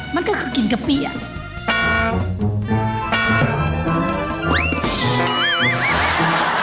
มันก็คือกลิ่นกะปิอ่ะ